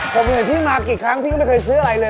ผมเห็นพี่มากี่ครั้งพี่ก็ไม่เคยซื้ออะไรเลย